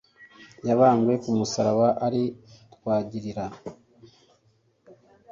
yabambwe ku musaraba ari tw'agirira